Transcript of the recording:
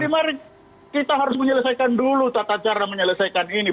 jadi mari kita harus menyelesaikan dulu tata cara menyelesaikan ini